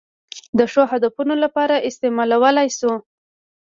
د ښو هدفونو لپاره استعمالولای شو.